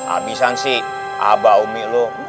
abisan sih abah umi lo